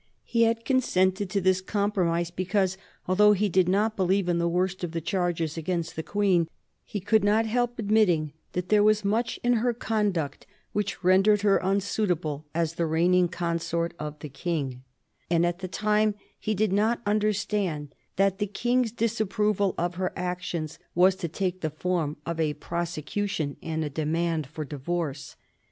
He had consented to this compromise because, although he did not believe in the worst of the charges against the Queen, he could not help admitting that there was much in her conduct which rendered her unsuitable as the reigning consort of the King; and at the time he did not understand that the King's disapproval of her actions was to take the form of a prosecution and a demand for divorce.